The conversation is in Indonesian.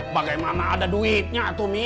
bagaimana ada duitnya atu mi